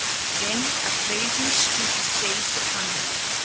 Then a pleasing stupor seized upon me.